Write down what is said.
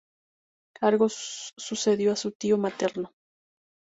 Argos sucedió a su tío materno.